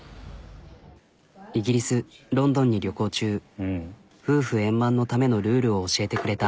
イギリスロンドンに旅行中夫婦円満のためのルールを教えてくれた。